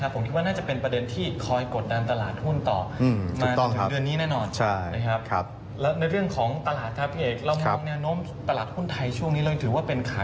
เรามองน้ำตลาดหุ้นไทยช่วงนี้เราถือว่าเป็นขาขึ้นอยู่ป่ะครับ